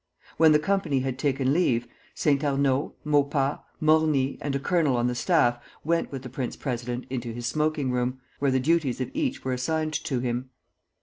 When the company had taken leave, Saint Arnaud, Maupas, Morny, and a colonel on the staff went with the prince president into his smoking room, where the duties of each were assigned to him.